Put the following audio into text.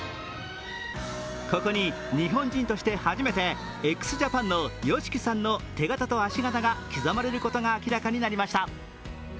ここに日本人として初めてＸＪＡＰＡＮのＹＯＳＨＩＫＩさんの手形と足形が刻まれることが明らかになりました。